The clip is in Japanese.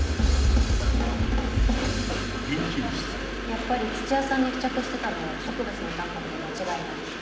やっぱり土屋さんに付着してたのは植物のタンパクで間違いない。